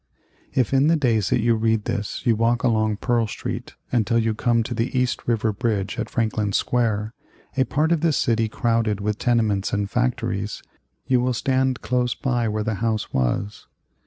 If in the days that you read this you walk along Pearl Street until you come to the East River bridge at Franklin Square, a part of the city crowded with tenements and factories, you will stand close by where the house was.